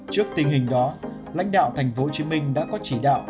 trước tình hình đó lãnh đạo tp hcm đã có chỉ đạo